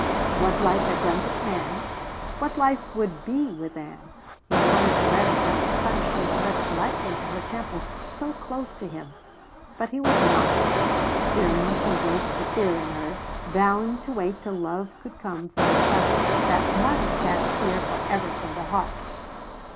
What life had done to Ann. What life would be with Ann. He wanted to let himself touch his lips lightly to her temple so close to him. But he would not fearing to wake the fear in her, vowing to wait till love could come through a trust that must cast fear forever from the heart.